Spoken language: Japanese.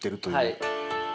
はい。